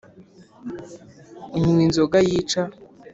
unywa inzoga yica